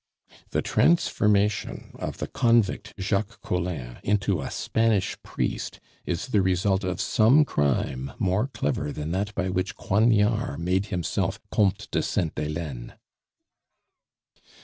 "The transformation of the convict Jacques Collin into a Spanish priest is the result of some crime more clever than that by which Coignard made himself Comte de Sainte Helene."